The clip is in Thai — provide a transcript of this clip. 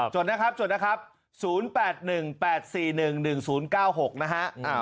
จดนะครับจดนะครับ๐๘๑๘๔๑๑๐๙๖นะฮะ